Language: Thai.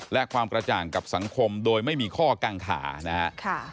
และความกระจ่างกับสังคมโดยไม่มีข้อกังขานะครับ